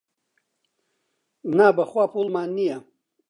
نا بەخوا پووڵمان نییە.